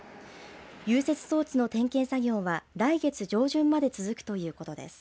融雪装置の点検作業は来月上旬まで続くということです。